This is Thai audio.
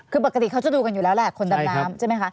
คือปกติเขาจะดูกันอยู่แล้วแหละคนดำน้ำใช่ไหมคะ